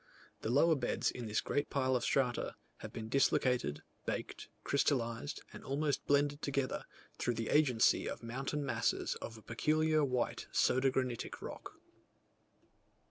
The lower beds in this great pile of strata, have been dislocated, baked, crystallized and almost blended together, through the agency of mountain masses of a peculiar white soda granitic rock.